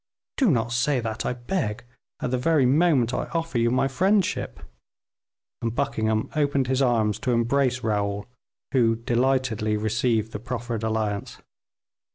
"Do not say that, I beg, at the very moment I offer you my friendship;" and Buckingham opened his arms to embrace Raoul, who delightedly received the proffered alliance.